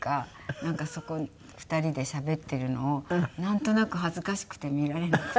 なんかそこ２人でしゃべっているのをなんとなく恥ずかしくて見られなくて。